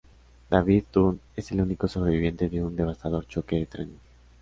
David Dunn es el único sobreviviente de un devastador choque de trenes.